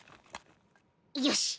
よし。